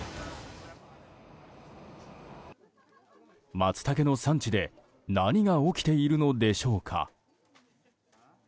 マツタケの産地で何が起きているのでしょうか？